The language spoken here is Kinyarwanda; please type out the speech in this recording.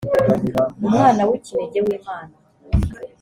umwana w ‘ikinege w’imana